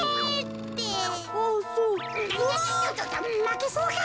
まけそうか？